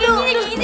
eh terima kasih